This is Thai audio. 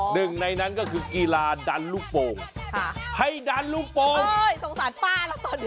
หนึ่งในนั้นก็คือกีฬาดันลูกโป่งให้ดันลูกโป่งโอ้ยสงสารป้าแล้วตอนนี้